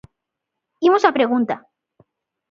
Imos á pregunta.